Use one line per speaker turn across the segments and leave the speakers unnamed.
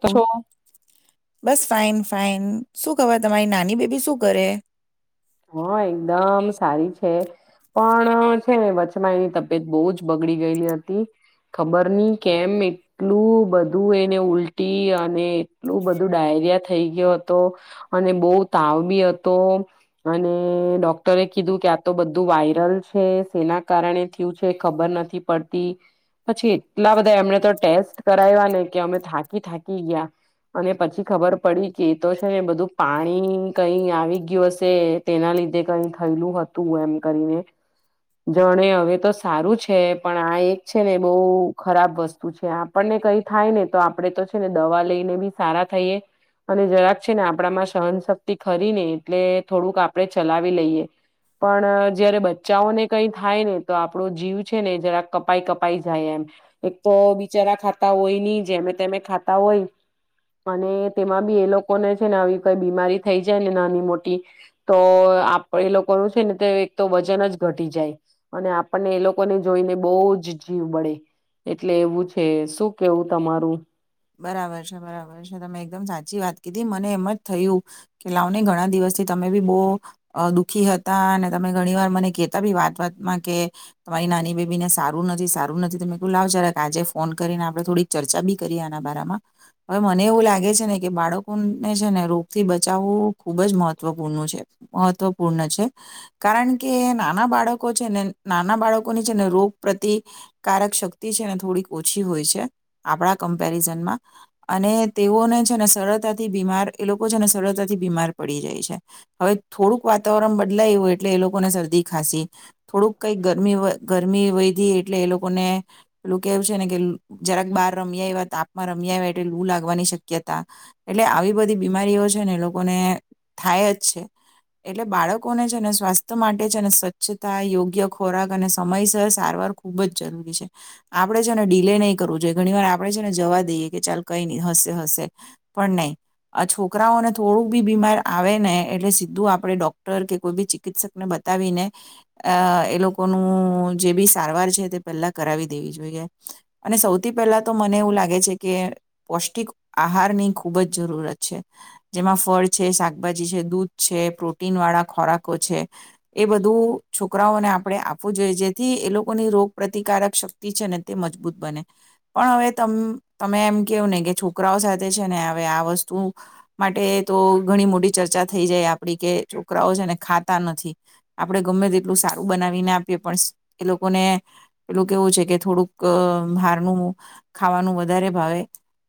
તો છો
fine fine શું ખબર તમારી નાની બેબી શું કરે?
હા એકદમ સારી છે પણ છે ને વચમાં એની તબિયત બો જ બગડી ગયેલી હતી ખબર નહી કેમ એટલું બધું એને ઉલટી અને એટલું બધું ડાયરિયા થઈ ગયો હતો અને બો તાવ બી હતો. અને ડોક્ટરે કીધું કે આ તો બધું વાયરલ છે સેના કારણે થયું છે ખબર નથી પડતી પછી એટલા બધા એમણે તો ટેસ્ટ કરાવ્યા ને કે અમે થાકી થાકી ગયા અને પછી ખબર પડી કે એ તો છે ને બધું પાણીની કઈ આવી ગયું હસે. તેના લીધે કઈ થયેલું હતું એમ કરીને જાણે હવે તો સારું છે પણ આ એક છે ને બો ખરાબ વસ્તુ છે. આપણને કઈ થાય ને તો આપણે તો છે ને દવા લઈને બી સારા થઈએ અને જરાક છે ને આપણામાં સહનશક્તિ ખરી ને એટલે થોડુંક આપણે ચલાવી લઈએ પણ જયારે બચ્ચાઓને કઈ થાય ને તો આપણો જીવ છે ને જરા કપાઈ કપાઈ જાય એમ એક તો બિચારા ખાતા હોય નહી જેમે તેમે ખાતા હોય અને તેમાં બી એ લોકોને છે ને આવી કઈ બીમારી થઈ જાય ને નાની મોટી તો આપ એ લોકોનું છે ને તે એક તો વજન જ ઘટી જાય અને આપણને એ લોકોને જોઈને બો જ જીવ બળે એટલે એવું છે. શું કેવું તમારું?
બરાબર છે બરાબર છે તમે એકદમ સાચી વાત કીધી મને એમ જ થયું કે લાવ ને ઘણા દિવસથી તમે બી બો દુઃખી હતા અને તમે ઘણી વાર મને કેતા બી વાત વાતમાં કે તમારી નાની બેબી ને સારું નથી સારું નથી તમે કું લાવ જરાક આજે ફોન કરીને આપડે થોડીક ચર્ચા બી કરી ના બારામાં હવે મને એવું લાગે છે ને કે બાળકોને છે ને રોગથી બચાવવું ખૂબ જ મહત્વપૂર્ણ છે મહત્વપૂર્ણ છે કારણ કે નાના બાળકો છેને નાના બાળકોની છે ને રોગ પ્રતિકારક શક્તિ છેને થોડીક ઓછી હોય છે. આપણા કમપ કમપેરીસન માં અને તેઓને છે ને સરળતાથી બીમાર એ લોકો છેને સરળતાથી બીમાર પડી જાય છે. હવે થોડુંક વાતાવરણ બદલાય હોય એટલે એ લોકોને શરદી ખાંસી થોડુંક કઈ ગરમી ગરમી વયધી એટલે એ લોકોને પેલું કેહેવું છે ને કે જરાક બહાર રમ્યા આયવા તાપમાં રમીયાયવા આવે એટલે લૂ લાગવાની શક્યતા એટલે આવી બધી બીમારીઓ છે ને એ લોકોને થાય જ છે એટલે બાળકોને છે ને સ્વાસ્થ્ય માટે છે ને સ્વચ્છતા, યોગ્ય ખોરાક અને સમયસર સારવાર ખૂબ જ જરૂરી છે આપણે છે ને ડીલે નહીં કરવું જોઈએ ઘણી વાર આપણે છે ને જવા દઈએ કે ચાલ કઈ ની હશે હશે પણ નહી છોકરાઓને થોડું બી બીમાર આવે ને એટલે સીધું આપણે ડોક્ટર કે કોઈ બી ચિકિત્સકને બતાવીને અ એ લોકોનું જે બી સારવાર છે તે પેલા કરાવી દેવી જોઈએ અને સૌથી પહેલા તો મને મને એવું લાગે છે કે પૌષ્ટિક આહારની ખૂબ જ જરૂરત છે. જેમાં ફળ છે, શાકભાજી છે, દૂધ છે, પ્રોટીન વાળા ખોરાકો છે એ બધું છોકરાઓને આપણે આપવું જોઈએ. જેથી એ લોકોની રોગ પ્ર્રતિકારક શક્તિ છે ને તે મજબૂત બને પણ હવે તમે એમ કેવું ને કે છોકરાઓ સાથે છે ને અ આ વસ્તુ માટે તો ઘણી મોટી ચર્ચા થઈ જાય આપડી કે છોકરાઓ છેને ખાતા નથી આપણે ગમે તે એટલું સારું બનાવીને આપીએ પણ એ લોકોને પેલું કેવું છે કે થોડુંક બાહરનું ખાવાનું વધારે ભાવે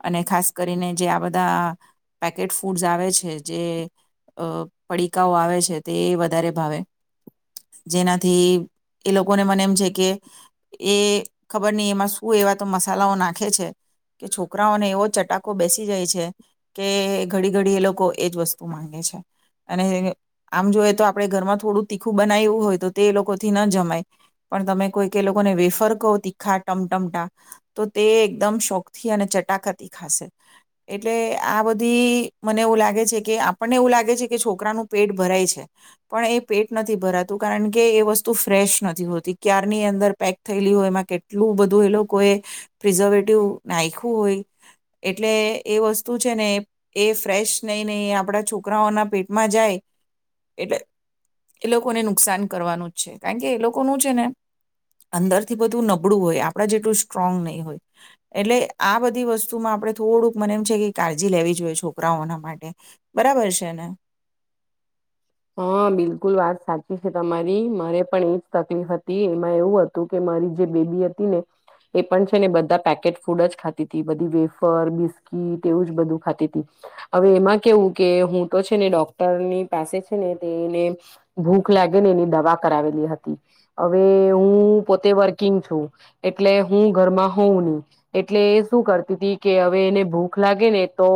અને ખાસ કરીને જે આ બધા પેકેટ ફૂડસ આવે છે જે પડીકાઓ આવે છે તે એ વધારે ભાવે જેનાથી એ લોકોને મને એમ છે કે એ ખબર નહી એમાં શું એવા તો મસાલાઓ નાખે નાખે છે કે છોકરાઓને એવો ચટાકો બેસી જાય છે કે ઘડી ઘડી એ લોકો એજ વસ્તુ માંગે છે અને આમ જોઈ તો આપણે ઘરમાં થોડું તીખું બનાયવું હોય તો તે એ લોકોથી ન જમાય પણ તમે કોઈક એ લોકોને વેફર કહો તીખા ટમટમટા તો તે એકદમ શોખથી અને ચટાકતી ખાશે એટલે આ બધી મને એવું લાગે છે કે આપણને એવું લાગે છે કે છોકરાનું પેટ ભરાય છે પણ એ પેટ નથી ભરાતું કારણ કે એ વસ્તુ ફ્રેશ નથી હોતી ક્યારની અંદર પેક થયેલી હોય એમાં કેટલું બધું એ લોકો એ પ્રિઝર્વેટિવ નાયખું હોય એટલે એ વસ્તુ છે ને એ ફ્રેશ નહીં નહીં. આપણા છોકરાઓના પેટમાં જાય એટલે એ લોકોને નુકસાન કરવાનું જ છે કારણ કે એ લોકોનું છે ને અંદરથી બધું નબળું હોય. આપણા જેટલું સ્ટ્રોંગ નહીં હોય એટલે આ બધી વસ્તુમાં આપણે થોડુંક મને એમ છે કે કાળજી લેવી જોઈએ છોકરાઓના માટે બરાબર છે ને.
હા બિલકુલ વાત સાચી છે તમારી મારે પણ એજ તકલીફ હતી. એમાં એવું હતું કે મારી જે બેબી હતી ને એ પણ છે ને બધા પેકેટ ફૂડ જ ખાતી તી બધી વેફર બિસ્કીિટ એવું જ બધું ખાતી હતી. હવે એમાં કેવું કે હું તો છે ને ડોક્ટરની પાસે જ છે ને ભૂખ લાગે ને એની દવા કરાવેલી હતી. હવે હું પોતે વર્કિંગ છું એટલે હું ઘરમાં હોઉં નહી એટલે એ શું કરતી હતી કે હવે એને ભૂખ લાગે ને તો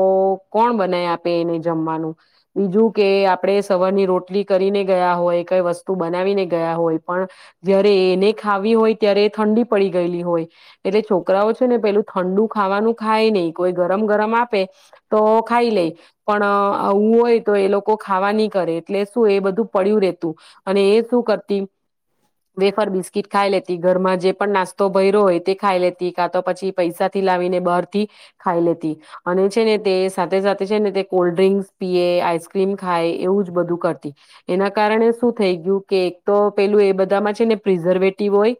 કોણ બનાય આપે એને જમવાનું બીજું કે આપણે સવાર ની રોટલી કરીને ગયા હોય કઈ વસ્તુ બનાવીને ગયા હોય પણ જયારે એને ખાવી હોય ત્યારે ઠંડી પડી ગયેલી હોય એટલે છોકરાઓ છે ને પેલું ઠંડુ ખાવાનું ખાય નહીં કોઈ ગરમ ગરમ આપે તો ખાઈ લે પણ આવું હોય તો એ લોકો ખાવાની ની કરે એટલે શું એ બધું પડ્યું રેતું અને એ શું કરતી વેફર બિસ્કીિટ ખાઈ લેતી ઘરમાં જે પણ નાસ્તો ભયરો હોય તે ખાઈ લેતી કા તો પછી પૈસાથી લાવીને બહારથી ખાઈ લેતી અને છે ને તે સાથે સાથે છે ને તે કોલ્ડ ડ્રિંકસ પીએ, આઈસક્રીમ ખાય એવું બધું કરતી એના કારણે શું થઈ ગયું કે એક તો પેલું એ બધામાં છે ને પ્રિઝર્વેટિવ હોય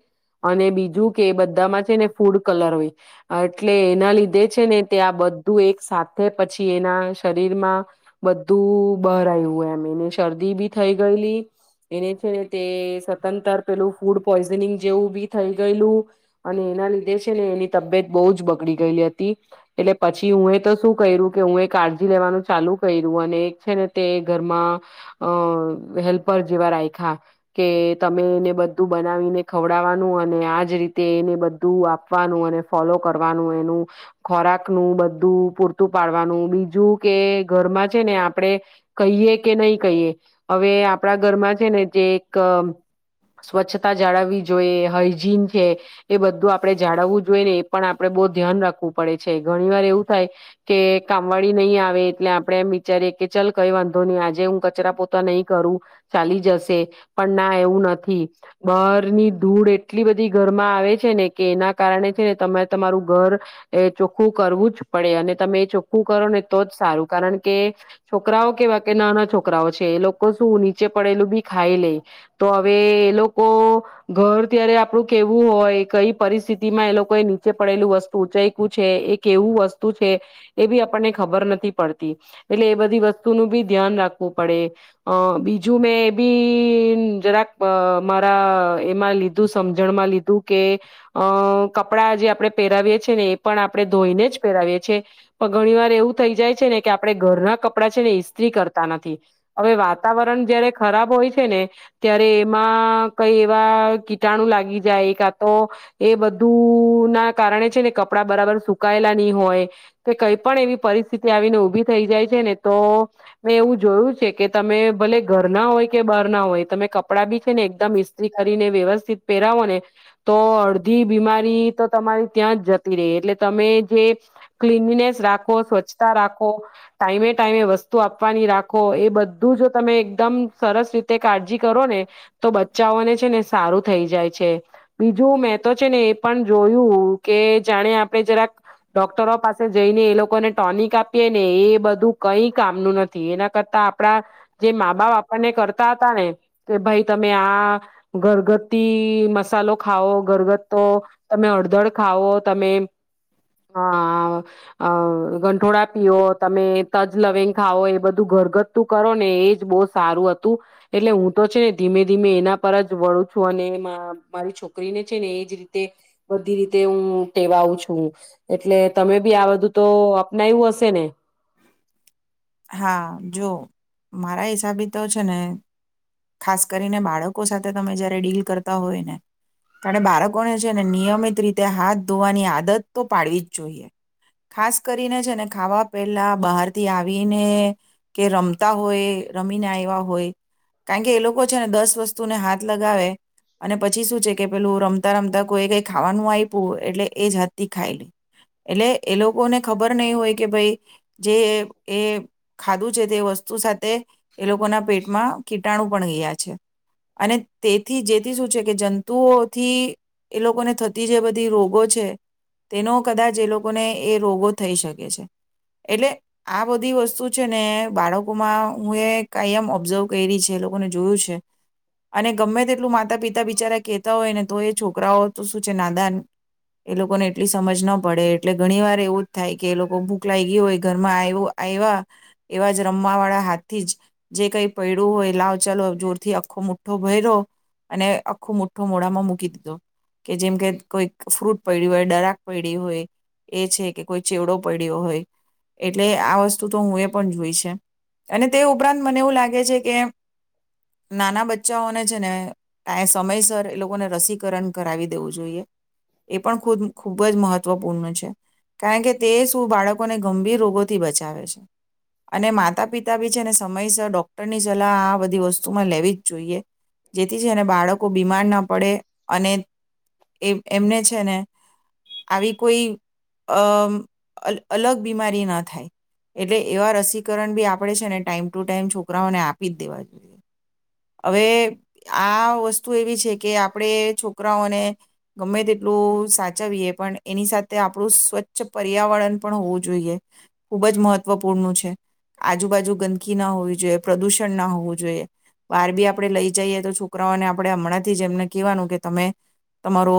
અને બીજું કે એ બધામાં છે ને ફૂડ કલર હોય એટલે એના લીધે છે ને તે આ બધું એક સાથે પછી એના શરીરમાં બધું બહરાયું એમ એ ને શરદી બી થઈ ગયેલી એને છે ને તે સતંતર પેલું ફૂડ પોઈઝનિંગ જેવું બી થઈ ગયેલું અને એના લીધે છે ને એની તબિયત બો જ બગડી ગયેલી હતી એટલે પછી હું એ તો શું કર્યું કે હું એ કાળજી લેવાનું ચાલુ કર્યું અને એક છે ને તે ઘરમાં અ હેલ્પર જેવા રાયખા કે તમે એને બધું બનાવીને ખવડાવવાનું અને આજ રીતે એને બધું આપવાનું અને ફોલો કરવાનું એનું ખોરાકનું બધું પૂરતું પાડવાનું બીજું કે ઘરમાં છે ને આપણેે કહીએ કે નહી કહીએ હવે આપણા ઘરમાં છે ને જે એક સ્વચ્છતા જાળવવી જોઈએ હાઈજીન છે એ બધું આપણે જાળવવું જોઈએ ને એ પણ આપણે બહુ ધ્યાન રાખવું પડે છે. ઘણી વાર એવું થાય કે કામવાળી નહીં આવે એટલે આપણે એમ વિચારીએ કે ચાલ કઈ વાંધો નહી. આજે આજે હું કચરા પોતા નહીં કરું ચાલી જશે પણ ના એવું નથી બારની ધૂળ એટલી બધી ઘરમાં આવે છે ને કે એના કારણે છે ને તમારે તમારું ઘર એ ચોખ્ખું કરવું જ પડે અને તમે એ ચોખ્ખું કરો ને તો જ સારું કારણ કે છોકરાઓ કેવા કે નાના છોકરાઓ છે એ લોકો શું નીચે પડેલું બી ખાઈ લે તો હવે એ લોકો ઘર ત્યારે આપડું કેવું હોય કઈ પરિસ્થિતિ માં એ લોકો એ નીચે પડેલું વસ્તુ ઉંચયકું છે એ કેવું વસ્તુ છે એ બી આપણને ખબર નથી પડતી એટલે એ બધી વસ્તુ નું બી ધ્યાન રાખવ રાખવું પડે અ બીજું મેં એ બી જરાક મારા એમાં લીધું સમજણમાં લીધું કે અ કપડા જે આપણે પહેરાવીએ છીએ ને એ પણ આપણે ધોઈને જ પહેરાવીએ છીએ પણ ઘણી વાર એવું થઈ જાય છે ને કે આપણે ઘરના કપડાં છે ને ઇસ્ત્રી કરતા નથી. હવે વાતાવરણ જયારે ખરાબ હોય છે ને ત્યારે એમાં કઈ એવા કીટાણુ લાગી જાય કા તો એ બધું ના કારણે છે ને કપડા બરાબર સુકાયેલા નહી હોય કે કઈ પણ એવી પરિસ્થિત આવીને ઉભી થઈ જાય છે ને તો મેં એવું જોયું છે કે તમે ભલે ઘર ના હોય કે બહાર ના હોય તમે કપડાં બી છે ને એકદમ ઇસ્ત્રી કરીને વ્યવસ્થિત પહેરાવો ને તો અડધી બીમારી તો તમારી ત્યાં જ જતી રહે એટલે તમે જે ક્લીનનેસ રાખો સ્વચ્છતા રાખો ટાઈમે ટાઈમે વસ્તુ આપ રાખો એ બધું જો તમે એકદમ સરસ રીતે કાળજી કરો ને તો બચ્ચાઓને છે ને સારું થઈ જાય છે બીજું મેં તો છે ને એ પણ જોયું કે જાણે આપણે જરાક ડોક્ટરો પાસે જઈને એ લોકોને ટોનિક આપીએ ને એ બધું કઈ કામનું નથી એના કરતા આપડા જે મા બાપ આપણને કરતા હતા ને કે ભાઈ તમે આ ઘરગથ્તી મસાલો ખાાવ ઘરગથ્તો, તમે હળદર ખાવો, તમે આ ગંઠોળા પીઓ, તમે તજ લવિંગ ખાવ બધું ઘરગથતું કરો ને એજ બહુ સારું હતું એટલે હું તો છે ને ધીમે ધીમે એના પર જ વળું છું અને મારી છોકરીને છે ને એજ રીતે બધી રીતે હું ટેવાવું છું એટલે તમે બી આ બધું તો અપનાયું હશે ને
હા જો મારા હિસાબે તો છે ને ખાસ કરીને બાળકો સાથે તમે જયારે ડીલ કરતા હોય ને ત્યારે બાળકોને છે ને નિયમિત રીતે હાથ ધોવાની આદત તો પાડવી જ જોઈએ ખાસ કરીને છે ને ખાવા પેલા બહાર થી આવીને કે રમતા હોય રમીને આવ્યા હોય કારણ કે એ લોકો છે ને દસ વસ્તુને હાથ લગાવે અને પછી શું છે કે પેલું રમતા રમતા કોઈ કઈ ખાવાનું આપું એટલે એ જ હાથથી ખાઈ લે એટલે એ લોકોને ખબર નહી હોય કે ભાઈ જે એ ખાધું છે તે વસ્તુ સાથે એ લોકોના પેટમાં કીટાણુ પણ ગયા છે અને તેથી જેથી શું છે કે જંતુઓથી એ લોકોને થતી જે બધી રોગો છે તેનો કદાચ એ લોકોને એ રોગો થઈ શકે છે. એટલે આ બધી વસ્તુ છે ને બાળકોમાં હું એ કઈ આમ ઓબ્ઝર્વ કરી છે એ લોકોને જોયું છે અને ગમે તેટલું માતા પિતા બિચારા કેહેતા હોય ને તો એ છોકરાઓ તો શું છે નાદાન એ લોકોને એટલી સમજ ના પડે એટલે ઘણી વાર એવું જ થાય કે એ લોકો ભૂખલાાગ હોય ઘરમાં આવું આવવા એવા જ રમવા વાળા હાથ થી જ જે કઈ પડડ્યું હોય લાવ ચાલો જોરથી આખો મુઠ્ઠો ભર્યો અને આખો મુઠ્ઠો મોડાામાં મૂકી દીધો કે જેમ કે કોઈ ફ્રૂટ પડડી્યું હોય ડરાક પડી હોય એ છે કે કોઈ ચેવડો પડ્યો હોય એટલે આ વસ્તુ તો હું એ પણ જોઈ છે અને તે ઉપરાંત મને એવું લાગે છે કે નાના બચ્ચાઓને છે ને સમયસર એ લોકોને રસીકરણ કરાવી દેવું જોઈએ એ પણ ખુ ખૂબ જ મહત્વપૂર્ણ છે કારણ કે તે શું બાળક લોકોને ગંભીર રોગોથી બચાવે છે અને માતા પિતા બી છે ને સમયસર ડોક્ટર ની સલાહ આ બધી વસ્તુમાં લેવી જ જોઈએ જેથી છેને બાળકો બીમાર ના પડે અને એ એમને છે ને આવી કોઈ અ અલગ બીમારી ન થાય એટલે એવા રસીકરણ બી આપણે છે ને ટાઈમ ટુ ટાઈમ છોકરાઓને આપી જ દેવા જોઈએ હવે આ વસ્તુ એવી છે કે આપણે છોકરાઓને ગમે તેટલું સાચવીએ પણ એની સાથે આપણું સ્વચ્છ પર્યાવરણ પણ હોવું જોઈએ ખુબ જ મહત્વપૂર્ણું છે આજુબાજુ ગંદકી ના હોવી જોઈએ પ્રદુષણ ના હોવું જોઈએ બાર બી આપણે લઈ જઈએ તો છોકરાઓને આપણે હમણાંથી જે એમને કહેવાનું કે તમે તમારો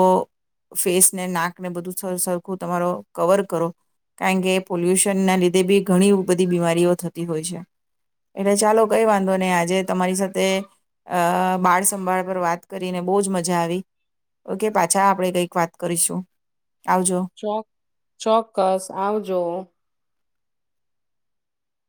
ફેસને નાકને બધું સર સરખું તમારો કવર કરો કારણ કે પોલ્યુશન ના લીધે બી ઘણી બધી બીમારીઓ થતી હોય છે એટલે ચાલો કઈ વાંધો નહી આજે તમારી સાથે અ બાળ સંંભાળ પર વાત કરીને બહુ જ મજા આવી ઓકે પાછા આપણે કઈક વાત કરીશું. આવજો
ચોક ચોક્કસ આવજો.